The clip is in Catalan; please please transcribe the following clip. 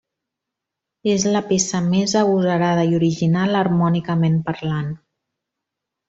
És la peça més agosarada i original harmònicament parlant.